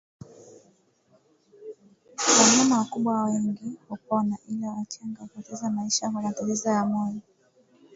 Wanyama wakubwa wengi hupona ila wachanga hupoteza maisha kwa matatizo ya moyo